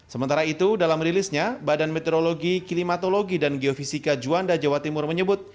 sementara itu dalam rilisnya badan meteorologi klimatologi dan geofisika juanda jawa timur menyebut